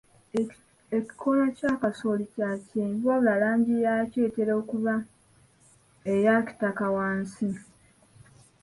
Ekikoola kya kasooli kya kyenvu wabula langi yaakyo etera okuba eya kitaka wansi.